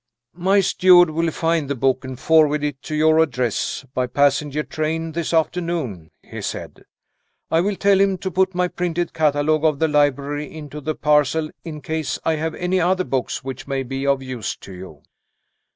"My steward will find the book and forward it to your address by passenger train this afternoon," he said. "I will tell him to put my printed catalogue of the library into the parcel, in case I have any other books which may be of use to you."